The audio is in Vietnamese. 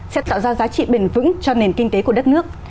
sẽ tạo ra giá trị bền vững cho nền kinh tế của đất nước